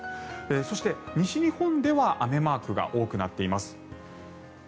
そして、西日本では雨マークが多くなっています。